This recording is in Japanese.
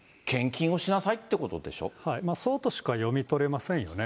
そうとしか読み取れませんよね。